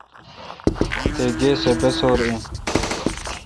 تہ گاے سہ بسو°ر این۔